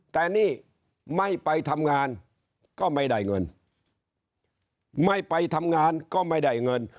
แต่นี่ไม่ไปทำงานก็ไม่ได้เงินไม่ไปทำงานก็ไม่ได้เงิน